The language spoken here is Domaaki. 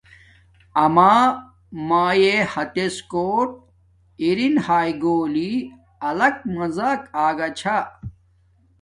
اما ماݵ ہاتڎ کوٹ ارین ہاݵ گولی الگ مزہک اگا چھا